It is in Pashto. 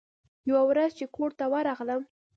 يوه ورځ چې کور ته ورغلم.